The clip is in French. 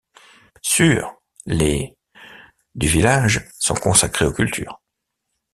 Sure les du village, sont consacrés aux cultures.